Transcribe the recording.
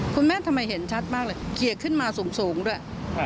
คุณแม่ทำไมเห็นชัดมากเลยเขียกขึ้นมาสูงด้วย